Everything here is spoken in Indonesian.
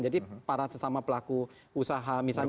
jadi para sesama pelaku usaha misalnya